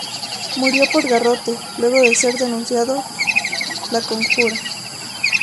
Murió por garrote luego de ser denunciada la conjura.